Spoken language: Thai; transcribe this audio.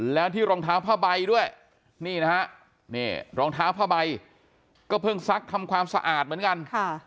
แล้วที่รองเท้าผ้าใบด้วยนี่นะฮะนี่รองเท้าผ้าใบก็เพิ่งซักทำความสะอาดเหมือนกัน